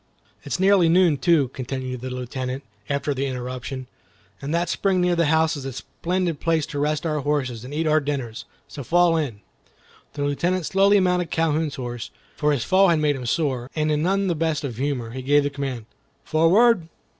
"It's nearly noon, too," continued the Lieutenant, after the interruption, "and that spring near the house is a splendid place to rest our horses and eat our dinners; so fall in." The Lieutenant slowly mounted Calhoun's horse, for his fall had made him sore, and in none the best of humor, he gave the command, "Forward!"